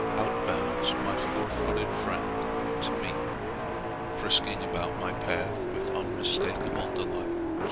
Out bounds my four footed friend to meet me, frisking about my path with unmistakable delight.